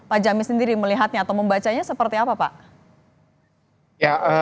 pak jamis sendiri melihatnya atau membacanya seperti apa pak